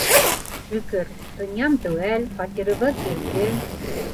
- Шөкөр, донъям теүәл, фатирыбыҙ иркен.